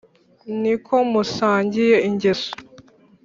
ni ko musangiye ingeso: